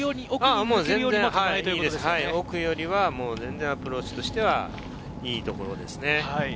奥よりは全然アプローチとしてはいいところですね。